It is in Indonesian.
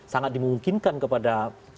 sangat dimungkinkan kepada pak jokowi